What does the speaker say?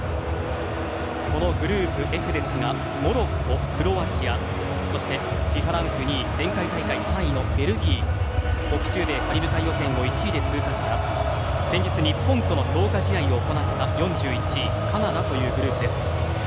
このグループＦですがモロッコ、クロアチアそしてＦＩＦＡランク２位前回大会３位のベルギー北中米カリブ海予選を１位で通過した先日、日本との強化試合を行った４１位、カナダというグループです。